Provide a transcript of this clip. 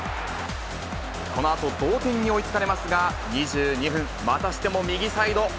このあと同点に追いつかれますが、２２分、またしても右サイド。